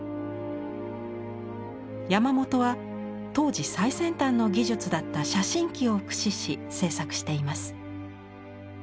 山元は当時最先端の技術だった写真機を駆使し制作しています。